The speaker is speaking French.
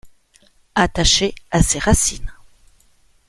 Attaché à ses racines.